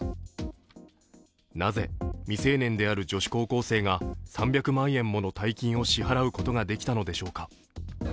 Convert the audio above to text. なぜ未成年である女子高校生が３００万円もの大金を支払うことができたのでしょうか。